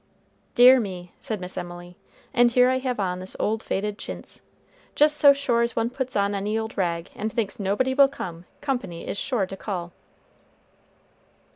"Dear me," said Miss Emily, "and here I have on this old faded chintz. Just so sure as one puts on any old rag, and thinks nobody will come, company is sure to call."